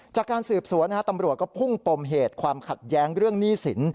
จากการสืบสวนตำรวจก็พุ่งปมเหตุความขัดแย้งเรื่องหนี้สิน